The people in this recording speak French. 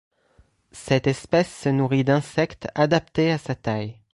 Cette espèce se nourrit d'insectes adaptés à sa taille.